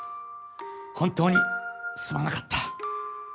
本当にすまなかった。